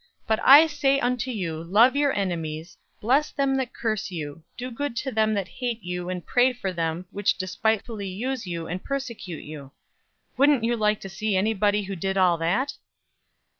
'But I say unto you, Love your enemies, bless them that curse you, do good to them that hate you and pray for them which despitefully use you and persecute you.' Wouldn't you like to see anybody who did all that?"